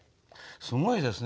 すごいですね。